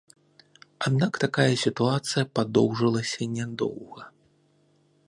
Аднак такая сітуацыя падоўжылася нядоўга.